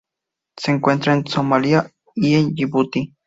Se encuentra en Somalia y en Yibuti.